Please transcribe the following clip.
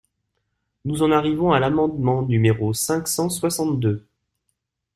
Nous en arrivons à l’amendement numéro cinq cent soixante-deux.